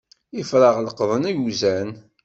Ifrax leqḍen iwzan.